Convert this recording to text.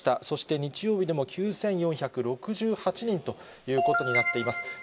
そして日曜日でも９４６８人ということになっています。